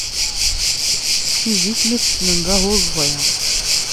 Si zik mi t-ssnen d ahuẓẓi.